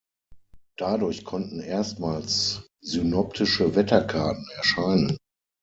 Dadurch konnten erstmals synoptische Wetterkarten erscheinen.